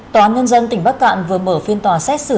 tòa án nhân dân tỉnh bắc cạn vừa mở phiên tòa xét xử